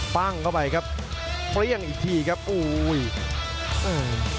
ปั้งเข้าไปครับเปรี้ยงอีกทีครับโอ้ยอืม